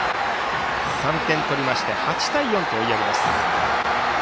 ３点取りまして８対４と追い上げます。